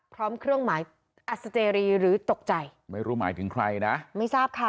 พร้อมเครื่องหมายอัศเจรีหรือตกใจไม่รู้หมายถึงใครนะไม่ทราบค่ะ